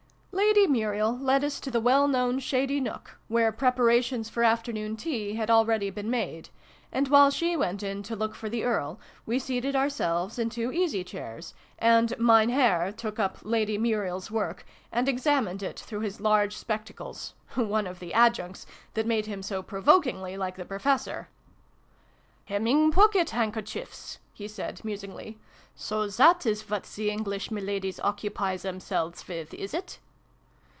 Lady Muriel led us to the well known shady nook, where preparations for afternoon tea had already been made, and, while she went in to look for the Earl, we seated ourselves in two easy chairs, and 'Mein Herr' took up Lady Muriel's work, and examined it through his large spectacles (one of the adjuncts that made him so provokingly like the Professor). "Hemming pocket handkerchiefs?" he said, musingly. " So that is what the. English miladies occupy themselves with, is it